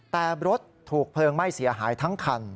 แต่รถถูกเพลิงไหม้เสียหายทั้งคัน